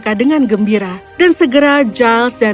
saat itu aku sudah melihat treker trekernya